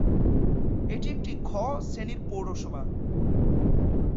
এটি একটি "খ" শ্রেণীর পৌরসভা।